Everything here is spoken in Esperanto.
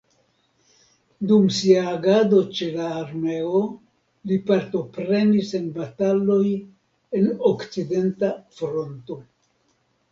Dum sia agado ĉe la armeo li partoprenis en bataloj en okcidenta fronto.